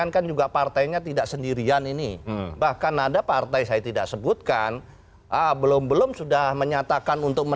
saya pikir kami tidak berangkat